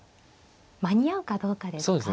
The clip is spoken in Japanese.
間に合うかどうかですか。